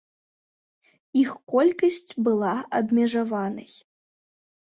Іх колькасць была абмежаванай.